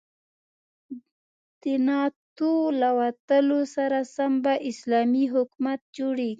د ناتو له وتلو سره سم به اسلامي حکومت جوړيږي.